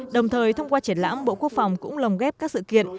đồng thời thông qua triển lãm bộ quốc phòng cũng lồng ghép các sự kiện